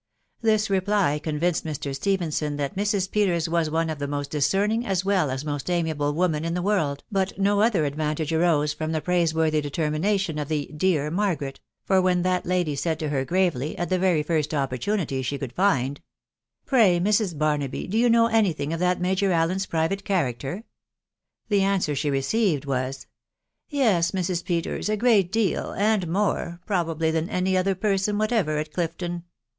This reply convinced Mr. Stephenson that Mrs. Peters was one of the most discerning as well as most amiable women in the world, but no other advantage arose from the praiseworthy determination of the " dear Margaret ;" for when that lady Aid to her gravely, at the very first opportunity she could £nd, — THE WIDOW BARNABY. 219 " Pray, Mrs. Barnaby, do you know any tiling of that Major Allen's private character ?" The answer she received was, —" Yea, Mrs. Peters, a great deal, .... and more, pro bably, than any other person whatever at Clifton